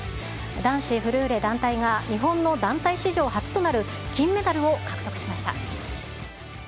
男子フルーレ団体が日本の団体史上初となる金メダルを獲得しました。